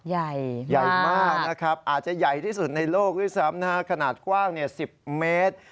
ใหญ่ใหญ่มากนะครับอาจจะใหญ่ที่สุดในโลกด้วยซ้ำนะฮะขนาดกว้าง๑๐เมตร